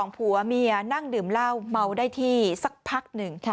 ผัวเมียนั่งดื่มเหล้าเมาได้ที่สักพักหนึ่ง